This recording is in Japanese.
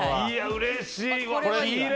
うれしいね！